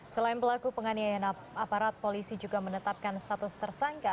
selain pelaku penganiayaan aparat polisi juga menetapkan status tersangka